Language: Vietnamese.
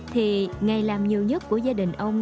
thì ngày làm nhiều nhất của gia đình ông